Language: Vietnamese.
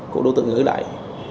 của đối tượng gửi lại